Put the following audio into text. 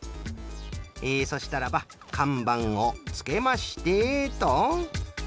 えそしたらばかんばんをつけましてっと。